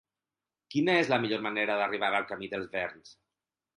Quina és la millor manera d'arribar al camí dels Verns?